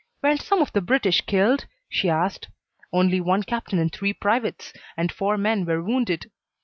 "Weren't some of the British killed?" she asked. "Only one captain and three privates; and four men were wounded."